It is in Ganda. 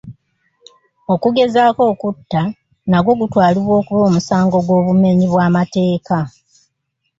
Okugezaako okutta nagwo gutwalibwa okuba omusango gw'obumenyi bw'amateeka